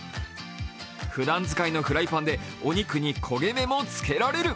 ふだん使いのフライパンでお肉に焦げ目もつけられる。